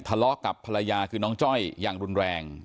ทะเลาะกับภรรยาคือน้องจ้อยอย่างรุนแรง